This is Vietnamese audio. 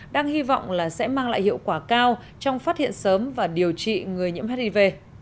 đang hy vọng là sẽ mang lại hiệu quả cao trong phát hiện sớm và điều trị người nhiễm hiv